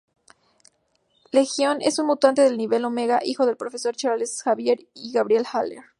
Legión es un mutante del nivel-Omega, hijo del Profesor Charles Xavier y Gabrielle Haller.